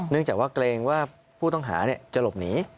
เนื่องจากว่าเกรงว่าผู้ต้องหาเนี่ยจะหลบหนี